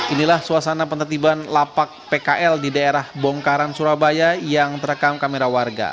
inilah suasana penertiban lapak pkl di daerah bongkaran surabaya yang terekam kamera warga